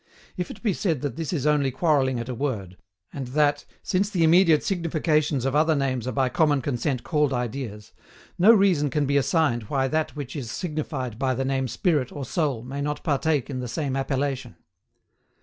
If it be said that this is only quarreling at a word, and that, since the immediately significations of other names are by common consent called ideas, no reason can be assigned why that which is signified by the name spirit or soul may not partake in the same appellation.